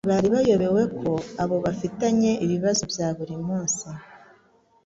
ntibari bayobewe ko abo bafitanye ibibazo bya buri munsi